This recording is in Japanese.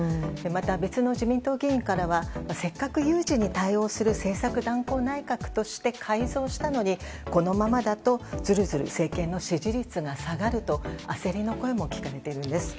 また別の自民党議員からはせっかく有事に対応する政策断交内閣として改造したのにこのままだとずるずる政権の支持率が下がると焦りの声も聞かれているんです。